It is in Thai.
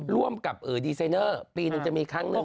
ร่วมกับดีไซเนอร์ปีหนึ่งจะมีครั้งหนึ่ง